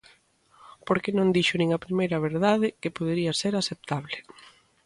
Porque non dixo nin a primeira verdade, que podería ser aceptable.